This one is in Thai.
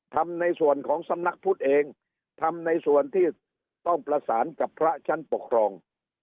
ทำในส่วนของสำนักพุทธเองทำในส่วนที่ต้องประสานกับพระชั้นปกครอง